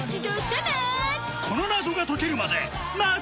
この謎が解けるまで